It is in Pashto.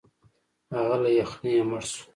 هغه له یخنۍ مړ شو.